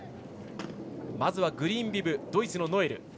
まずはグリーンビブドイツのノエル。